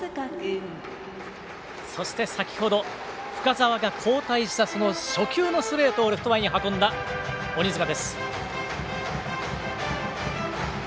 そして先ほど、深沢が交代したその初球のストレートをレフト前に運んだ鬼塚です。